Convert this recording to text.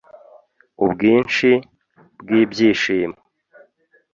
Ubwinshi bwibyishimo